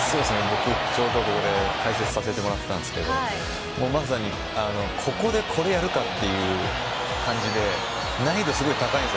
ちょうど解説させてもらったんですけどまさにここでこれをやるかという感じで難易度が高いんです。